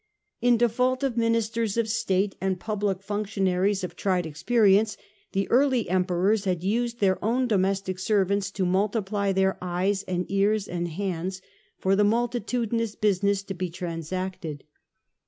In default of ministers andhU of state and public functionaries of tried ex ministers perience, the early Emperors had used their first his own own domestic servants to multiply their eyes and ears and hands for the multitudinous business to be transacted.